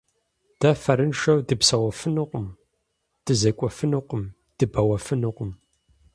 Дэ фэрыншэу дыпсэуфынукъым, дызекӀуэфынукъым, дыбэуэфынукъым.